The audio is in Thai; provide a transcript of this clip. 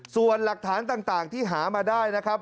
ส่วนหลักฐานต่างที่หามาได้นะครับ